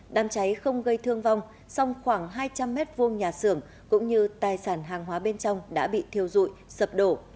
đám cháy không gây thương vong song khoảng hai trăm linh m hai nhà xưởng cũng như tài sản hàng hóa bên trong đã bị thiêu dụi sập đổ